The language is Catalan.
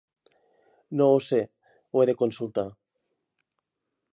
No ho sé. Ho he de consultar.